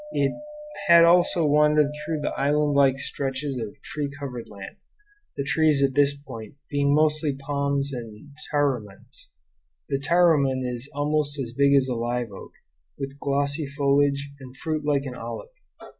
It had also wandered through the island like stretches of tree covered land, the trees at this point being mostly palms and tarumans; the taruman is almost as big as a live oak, with glossy foliage and a fruit like an olive.